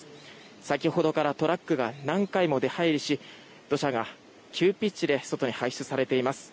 先ほどからトラックが何回も出入りし土砂が急ピッチで外に搬出されています。